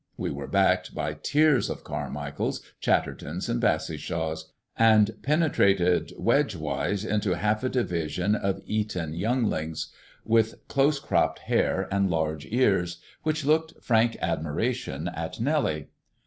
We were backed by tiers of Carmichaels, Chattertons, and Bassishaws, and penetrated wedge wise into half a division of Eton younglings, with close cropped hair and large ears, which looked frank admiration at Nellie.